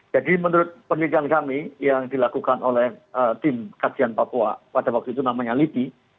jadi menurut penelitian kami yang dilakukan oleh tim kajian papua pada waktu itu namanya liti